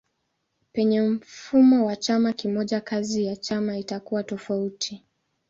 Penye mfumo wa chama kimoja kazi ya chama itakuwa tofauti.